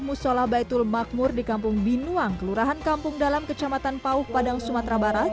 musola baitul makmur di kampung binuang kelurahan kampung dalam kecamatan pauh padang sumatera barat